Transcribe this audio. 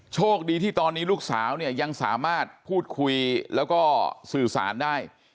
โชคดีที่ตอนนี้ลูกสาวเนี่ยยังสามารถพูดคุยแล้วก็สื่อสารได้